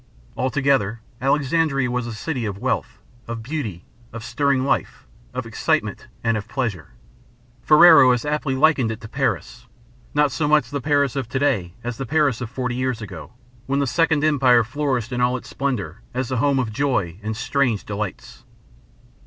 Altogether, Alexandria was a city of wealth, of beauty, of stirring life, of excitement, and of pleasure. Ferrero has aptly likened it to Paris not so much the Paris of to day as the Paris of forty years ago, when the Second Empire flourished in all its splendor as the home of joy and strange delights.